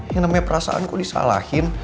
yang namanya perasaan kok disalahin